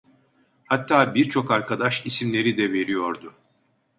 Hatta birçok arkadaş isimleri de veriyordu.